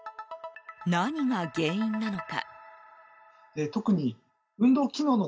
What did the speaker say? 何が原因なのか？